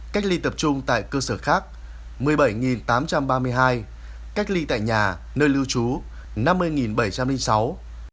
cách ly tập trung tại cơ sở khác một mươi bảy tám trăm ba mươi hai cách ly tại nhà nơi lưu trú năm mươi bảy trăm linh sáu